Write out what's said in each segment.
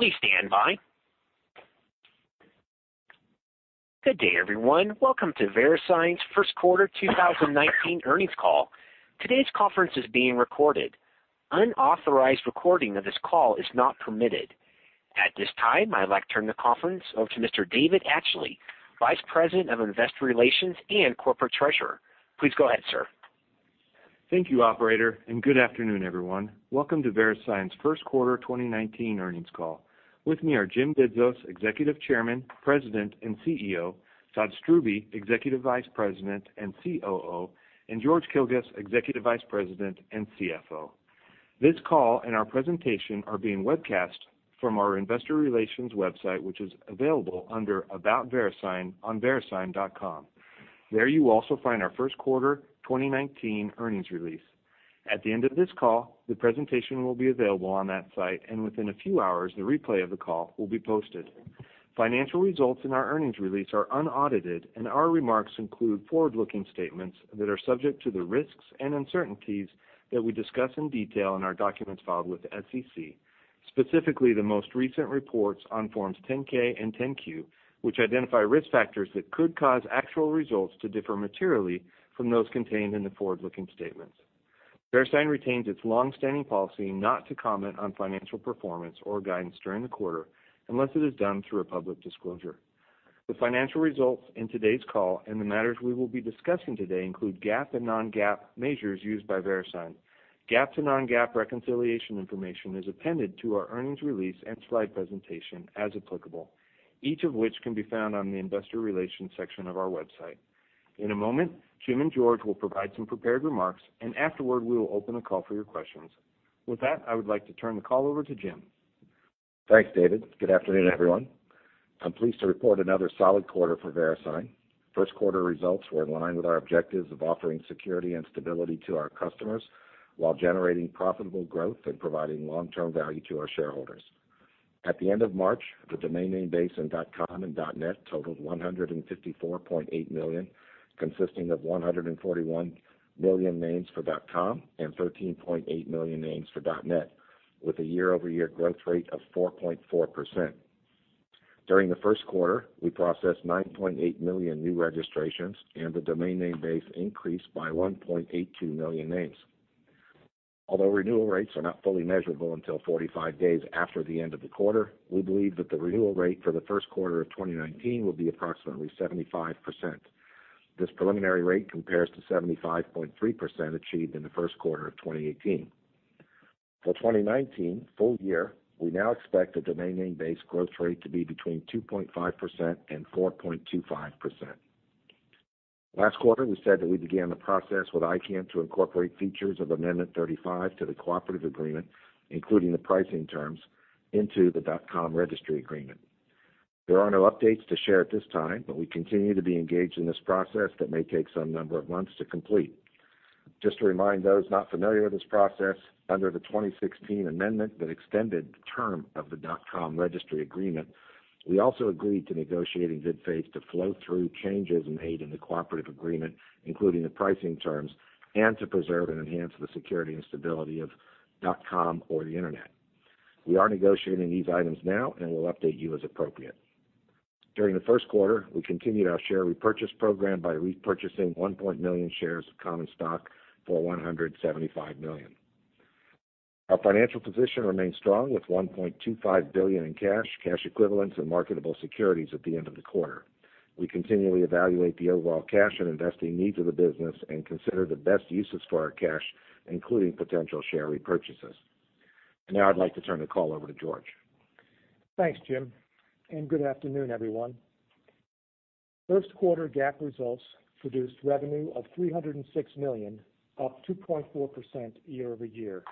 Good day, everyone. Welcome to VeriSign's first quarter 2019 earnings call. Today's conference is being recorded. Unauthorized recording of this call is not permitted. At this time, I'd like to turn the conference over to Mr. David Atchley, Vice President of Investor Relations and Corporate Treasurer. Please go ahead, sir. Thank you, operator, good afternoon, everyone. Welcome to VeriSign's first quarter 2019 earnings call. With me are Jim Bidzos, Executive Chairman, President, and CEO, Todd Strubbe, Executive Vice President and COO, and George Kilguss, Executive Vice President and CFO. This call and our presentation are being webcast from our investor relations website, which is available under About VeriSign on verisign.com. There you will also find our first quarter 2019 earnings release. At the end of this call, the presentation will be available on that site, and within a few hours, the replay of the call will be posted. Financial results in our earnings release are unaudited, and our remarks include forward-looking statements that are subject to the risks and uncertainties that we discuss in detail in our documents filed with the SEC, specifically the most recent reports on forms 10-K and 10-Q, which identify risk factors that could cause actual results to differ materially from those contained in the forward-looking statements. VeriSign retains its long-standing policy not to comment on financial performance or guidance during the quarter unless it is done through a public disclosure. The financial results in today's call and the matters we will be discussing today include GAAP and non-GAAP measures used by VeriSign. GAAP to non-GAAP reconciliation information is appended to our earnings release and slide presentation as applicable, each of which can be found on the investor relations section of our website. In a moment, Jim and George will provide some prepared remarks. Afterward, we will open the call for your questions. With that, I would like to turn the call over to Jim. Thanks, David. Good afternoon, everyone. I'm pleased to report another solid quarter for VeriSign. First quarter results were in line with our objectives of offering security and stability to our customers while generating profitable growth and providing long-term value to our shareholders. At the end of March, the domain name base in .com and .net totaled 154.8 million, consisting of 141 million names for .com and 13.8 million names for .net, with a year-over-year growth rate of 4.4%. During the first quarter, we processed 9.8 million new registrations, and the domain name base increased by 1.82 million names. Although renewal rates are not fully measurable until 45 days after the end of the quarter, we believe that the renewal rate for the first quarter of 2019 will be approximately 75%. This preliminary rate compares to 75.3% achieved in the first quarter of 2018. For 2019 full year, we now expect the domain name base growth rate to be between 2.5% and 4.25%. Last quarter, we said that we began the process with ICANN to incorporate features of Amendment 35 to the Cooperative Agreement, including the pricing terms into the .com registry agreement. There are no updates to share at this time, but we continue to be engaged in this process that may take some number of months to complete. Just to remind those not familiar with this process, under the 2016 Amendment that extended the term of the .com registry agreement, we also agreed to negotiate in good faith to flow through changes made in the Cooperative Agreement, including the pricing terms, and to preserve and enhance the security and stability of .com or the Internet. We are negotiating these items now. We'll update you as appropriate. During the first quarter, we continued our share repurchase program by repurchasing 1 million shares of common stock for $175 million. Our financial position remains strong with $1.25 billion in cash equivalents, and marketable securities at the end of the quarter. We continually evaluate the overall cash and investing needs of the business and consider the best uses for our cash, including potential share repurchases. Now I'd like to turn the call over to George. Thanks, Jim, and good afternoon, everyone. First quarter GAAP results produced revenue of $306 million, up 2.4% year-over-year.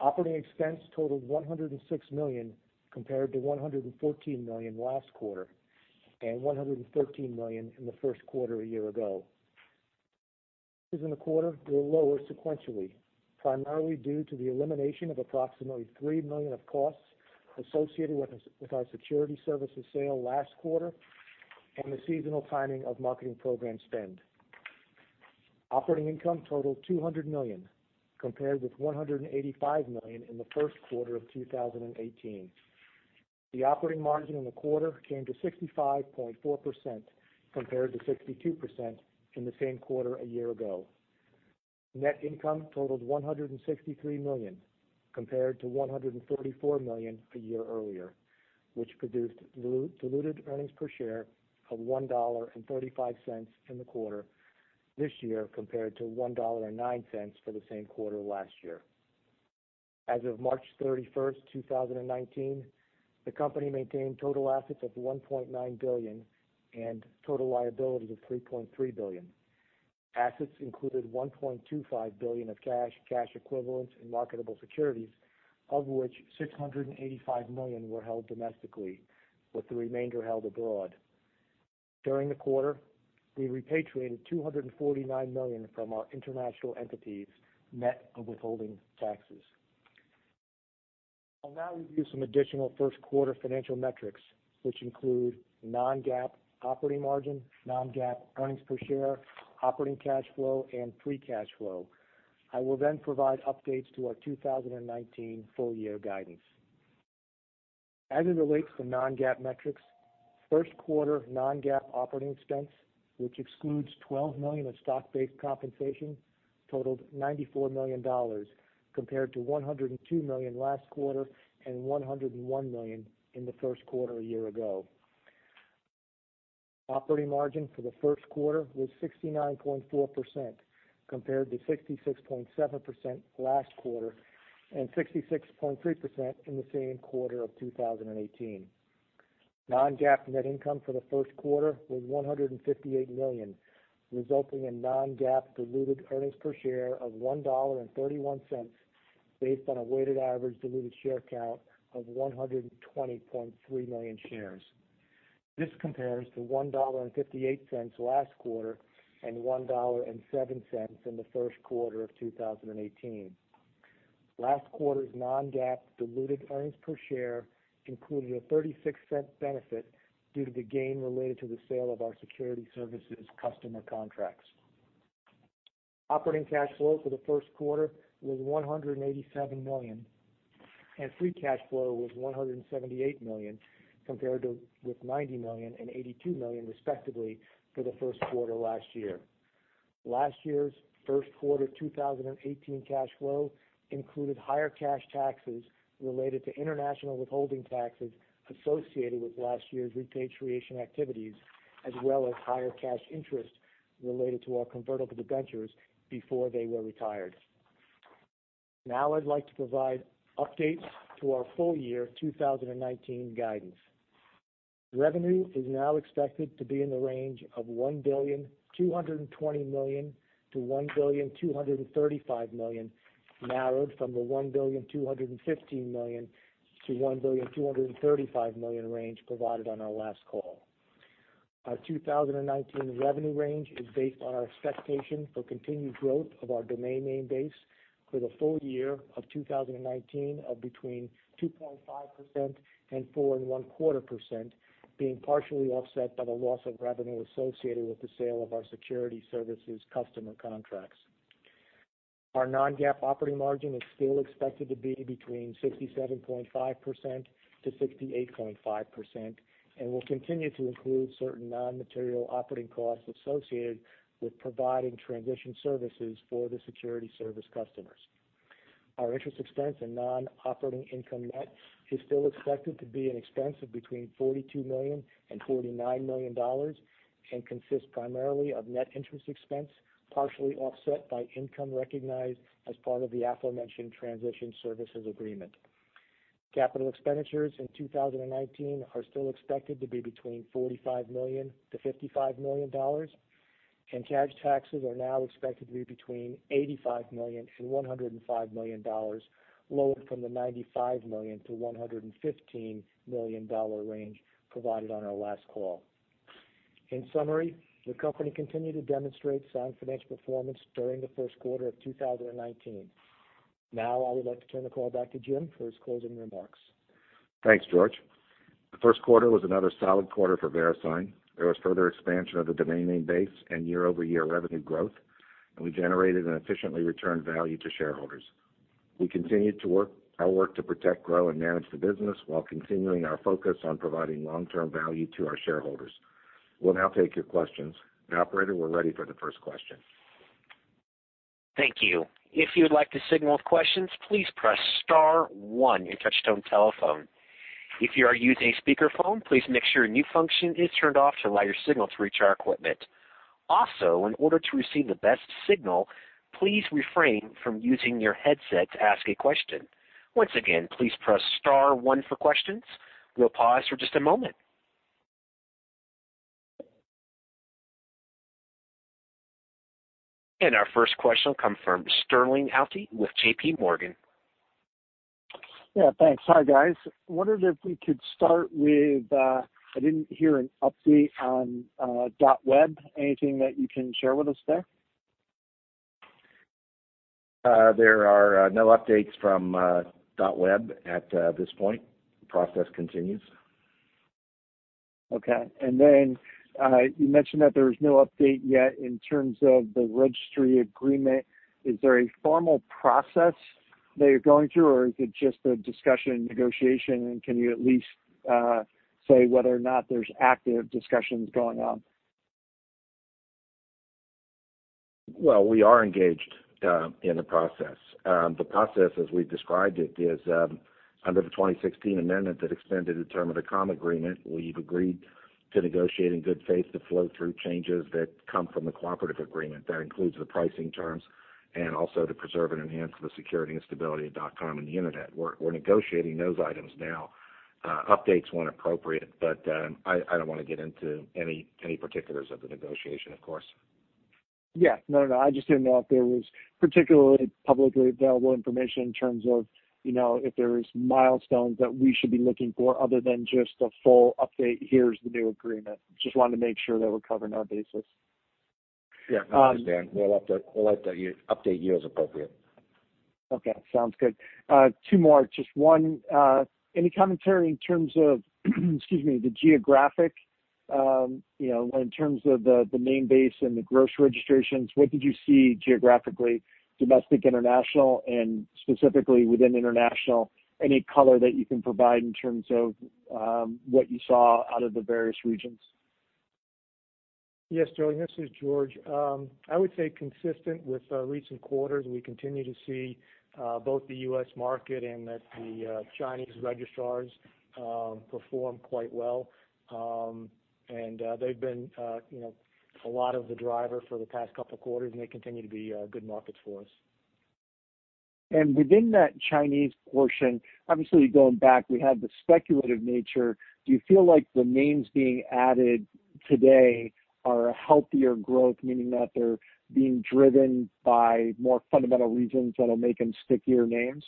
Operating expense totaled $106 million compared to $114 million last quarter and $113 million in the first quarter a year ago. Fees in the quarter were lower sequentially, primarily due to the elimination of approximately $3 million of costs associated with our security services sale last quarter and the seasonal timing of marketing program spend. Operating income totaled $200 million compared with $185 million in the first quarter of 2018. The operating margin in the quarter came to 65.4% compared to 62% in the same quarter a year ago. Net income totaled $163 million compared to $134 million a year earlier, which produced diluted earnings per share of $1.45 in the quarter this year compared to $1.09 for the same quarter last year. As of March 31st, 2019, the company maintained total assets of $1.9 billion and total liabilities of $3.3 billion. Assets included $1.25 billion of cash equivalents, and marketable securities, of which $685 million were held domestically, with the remainder held abroad. During the quarter, we repatriated $249 million from our international entities, net of withholding taxes. I'll now review some additional first quarter financial metrics, which include non-GAAP operating margin, non-GAAP earnings per share, operating cash flow, and free cash flow. I will provide updates to our 2019 full year guidance. As it relates to non-GAAP metrics, first quarter non-GAAP operating expense, which excludes 12 million of stock-based compensation, totaled $94 million compared to $102 million last quarter and $101 million in the first quarter a year ago. Operating margin for the first quarter was 69.4% compared to 66.7% last quarter and 66.3% in the same quarter of 2018. Non-GAAP net income for the first quarter was $158 million, resulting in non-GAAP diluted earnings per share of $1.31 based on a weighted average diluted share count of 120.3 million shares. This compares to $1.58 last quarter and $1.07 in the first quarter of 2018. Last quarter's non-GAAP diluted earnings per share included a $0.36 benefit due to the gain related to the sale of our security services customer contracts. Operating cash flow for the first quarter was $187 million, and free cash flow was $178 million compared to with $90 million and $82 million, respectively, for the first quarter last year. Last year's first quarter 2018 cash flow included higher cash taxes related to international withholding taxes associated with last year's repatriation activities, as well as higher cash interest related to our convertible debentures before they were retired. Now I'd like to provide updates to our full year 2019 guidance. Revenue is now expected to be in the range of $1.22 billion-$1.235 billion, narrowed from the $1.215 billion-$1.235 billion range provided on our last call. Our 2019 revenue range is based on our expectation for continued growth of our domain name base for the full year of 2019 of between 2.5% and 4.25%, being partially offset by the loss of revenue associated with the sale of our security services customer contracts. Our non-GAAP operating margin is still expected to be between 67.5%-68.5% and will continue to include certain non-material operating costs associated with providing transition services for the security service customers. Our interest expense and non-operating income net is still expected to be an expense of between $42 million and $49 million and consists primarily of net interest expense, partially offset by income recognized as part of the aforementioned transition services agreement. Capital expenditures in 2019 are still expected to be between $45 million-$55 million, Cash taxes are now expected to be between $85 million and $105 million, lowered from the $95 million-$115 million range provided on our last call. In summary, the company continued to demonstrate sound financial performance during the first quarter of 2019. I would like to turn the call back to Jim for his closing remarks. Thanks, George. The first quarter was another solid quarter for VeriSign. There was further expansion of the domain name base and year-over-year revenue growth. We generated and efficiently returned value to shareholders. We continued our work to protect, grow, and manage the business while continuing our focus on providing long-term value to our shareholders. We'll now take your questions. Operator, we're ready for the first question. Thank you. If you'd like to signal off questions, please press star one on your touchtone telephone. If you are using a speakerphone, please make sure any functions are turned off to allow your signal to reach our equipment. Also, in order to receive the best signal, please refrain from using your headset to ask a question. Once again, please press star one for questions. We'll pause for just a moment. Our first question will come from Sterling Auty with JPMorgan. Yeah. Thanks. Hi, guys. Wondered if we could start with, I didn't hear an update on, .web. Anything that you can share with us there? There are no updates from .web at this point. The process continues. Okay. You mentioned that there was no update yet in terms of the registry agreement. Is there a formal process that you're going through, or is it just a discussion negotiation? Can you at least say whether or not there's active discussions going on? Well, we are engaged in the process. The process, as we've described it, is under the 2016 Amendment that extended the term of the .com agreement. We've agreed to negotiate in good faith to flow through changes that come from the Cooperative Agreement. That includes the pricing terms and also to preserve and enhance the security and stability of .com and the Internet. We're negotiating those items now, updates when appropriate, but I don't wanna get into any particulars of the negotiation, of course. Yeah. No, no. I just didn't know if there was particularly publicly available information in terms of, you know, if there's milestones that we should be looking for other than just a full update, here's the new agreement. I just wanted to make sure that we're covering our bases. Yeah, I understand. We'll have to update you as appropriate. Okay, sounds good. Two more. Just one, any commentary in terms of, excuse me, the geographic, you know, in terms of the main base and the gross registrations, what did you see geographically, domestic, international, and specifically within international, any color that you can provide in terms of, what you saw out of the various regions? Yes, Sterling, this is George. I would say consistent with recent quarters, we continue to see both the U.S. market and the Chinese registrars perform quite well. They've been, you know, a lot of the driver for the past couple quarters, and they continue to be good markets for us. Within that Chinese portion, obviously going back, we had the speculative nature. Do you feel like the names being added today are a healthier growth, meaning that they're being driven by more fundamental reasons that'll make them stickier names?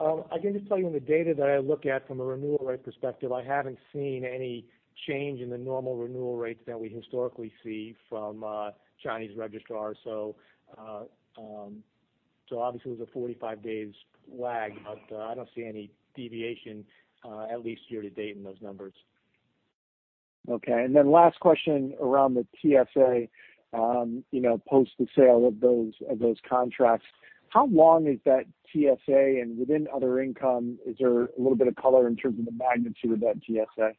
I can just tell you in the data that I look at from a renewal rate perspective, I haven't seen any change in the normal renewal rates that we historically see from Chinese registrars. Obviously, there's a 45 days lag, but I don't see any deviation, at least year to date in those numbers. Okay. Last question around the TSA, you know, post the sale of those contracts. How long is that TSA? Within other income, is there a little bit of color in terms of the magnitude of that TSA?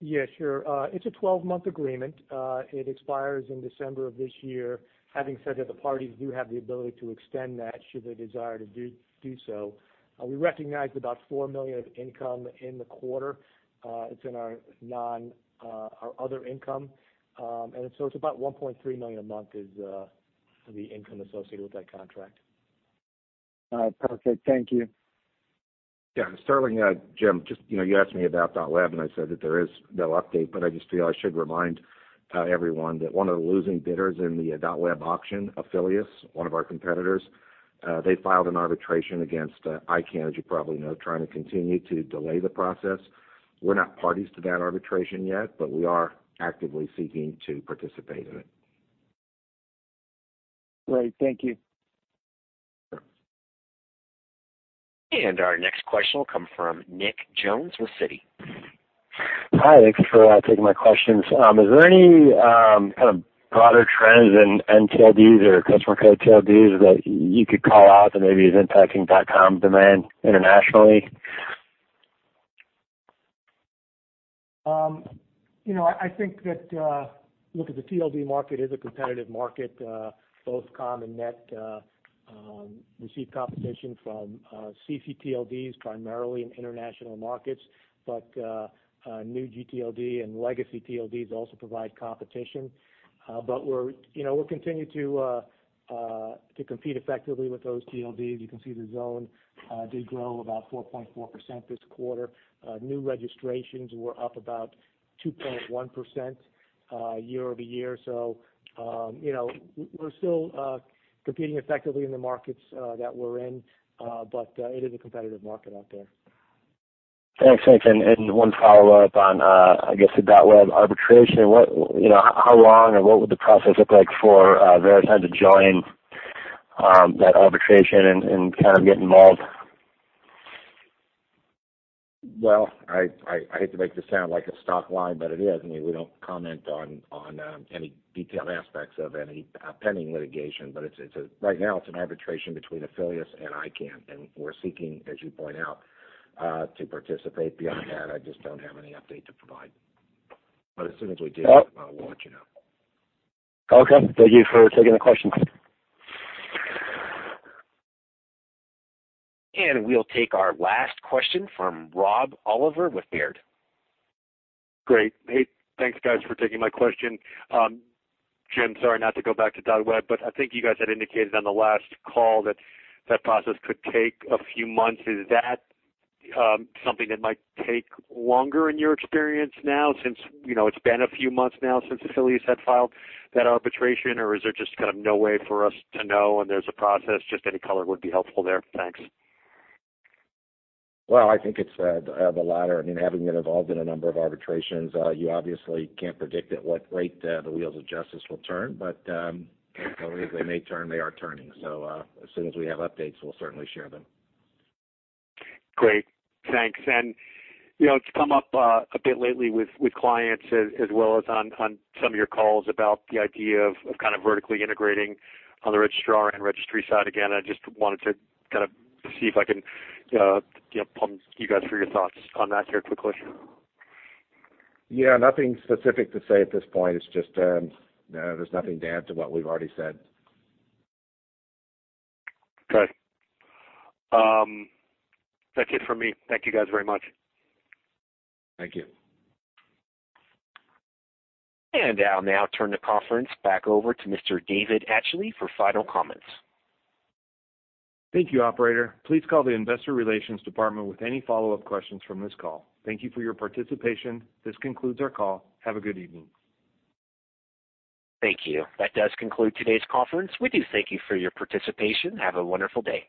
Yeah, sure. It's a 12-month agreement. It expires in December of this year. Having said that, the parties do have the ability to extend that should they desire to do so. We recognized about $4 million of income in the quarter. It's in our other income. It's about $1.3 million a month is the income associated with that contract. All right. Perfect. Thank you. Yeah. Sterling, Jim, just, you know, you asked me about .web, and I said that there is no update, but I just feel I should remind everyone that one of the losing bidders in the .web auction, Afilias, one of our competitors, they filed an arbitration against ICANN, as you probably know, trying to continue to delay the process. We're not parties to that arbitration yet, but we are actively seeking to participate in it. Great. Thank you. Sure. Our next question will come from Nick Jones with Citi. Hi. Thanks for taking my questions. Is there any kind of broader trends in TLDs or country code TLDs that you could call out that maybe is impacting .com demand internationally? You know, I think that, look, the TLD market is a competitive market. Both .com and .net receive competition from ccTLDs primarily in international markets, new gTLD and legacy TLDs also provide competition. We're, you know, we'll continue to compete effectively with those TLDs. You can see the zone did grow about 4.4% this quarter. New registrations were up about 2.1% year-over-year. You know, we're still competing effectively in the markets that we're in, it is a competitive market out there. Thanks. Thanks. One follow-up on, I guess the .web arbitration. You know, how long or what would the process look like for VeriSign to join that arbitration and kind of get involved? Well, I hate to make this sound like a stock line, but it is. I mean, we don't comment on any detailed aspects of any pending litigation. Right now, it's an arbitration between Afilias and ICANN, and we're seeking, as you point out, to participate. Beyond that, I just don't have any update to provide. As soon as we do. Oh. We'll let you know. Okay. Thank you for taking the questions. We'll take our last question from Rob Oliver with Baird. Great. Hey, thanks, guys, for taking my question. Jim, sorry, not to go back to .web, I think you guys had indicated on the last call that that process could take a few months. Is that, something that might take longer in your experience now since, you know, it's been a few months now since Afilias had filed that arbitration? Is there just kind of no way for us to know, and there's a process? Just any color would be helpful there. Thanks. Well, I think it's the latter. I mean, having been involved in a number of arbitrations, you obviously can't predict at what rate the wheels of justice will turn. You know, if they may turn, they are turning. As soon as we have updates, we'll certainly share them. Great. Thanks. You know, it's come up a bit lately with clients as well as on some of your calls about the idea of kind of vertically integrating on the registrar and registry side. Again, I just wanted to kind of see if I can, you know, pump you guys for your thoughts on that here quickly. Yeah, nothing specific to say at this point. It's just, there's nothing to add to what we've already said. Okay. That's it for me. Thank you, guys, very much. Thank you. I'll now turn the conference back over to Mr. David Atchley for final comments. Thank you, operator. Please call the investor relations department with any follow-up questions from this call. Thank you for your participation. This concludes our call. Have a good evening. Thank you. That does conclude today's conference. We do thank you for your participation. Have a wonderful day.